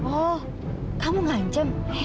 oh kamu ngancam